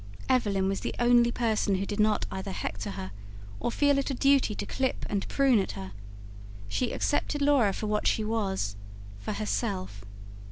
Evelyn was the only person who did not either hector her, or feel it a duty to clip and prune at her: she accepted Laura for what she was for herself.